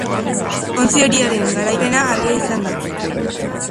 Ontzi horiaren garaipena argia izan da.